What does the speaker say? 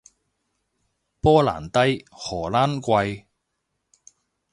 波蘭低，荷蘭貴